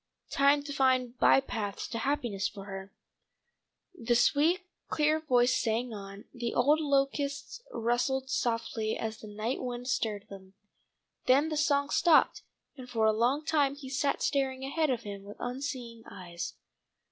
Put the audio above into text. Time to find bypaths to happiness for her The sweet clear voice sang on, the old locusts rustled softly as the night wind stirred them. Then the song stopped, and for a long time he sat staring ahead of him with unseeing eyes.